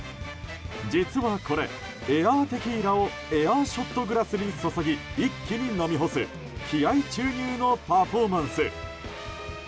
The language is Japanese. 実はこれ、エアー・テキーラをエアー・ショットグラスに注ぎ一気に飲み干す気合注入のパフォーマンス。